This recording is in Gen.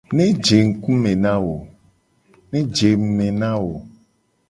Ne je ngku me na wo.